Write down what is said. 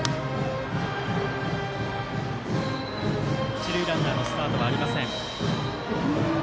一塁ランナーのスタートはありません。